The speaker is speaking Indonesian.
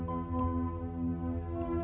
saya akan mencari suami saya